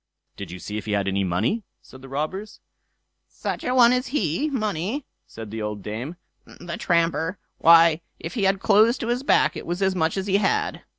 "Did you see if he had any money?" said the robbers. "Such a one as he money!" said the old dame, "the tramper! Why, if he had clothes to his back, it was as much as he had."